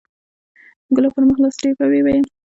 ګلاب پر مخ لاس تېر کړ ويې ويل.